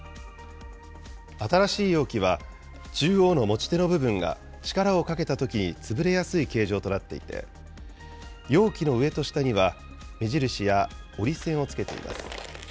新しい容器は中央の持ち手の部分が力をかけたときに潰れやすい形状となっていて、容器の上と下には、目印や折り線をつけています。